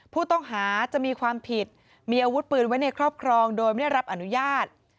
ผู้ต้องหาจะมีความผิดมีอาวุธปืนไว้ในครอบครองโดยไม่ได้รับอนุญาต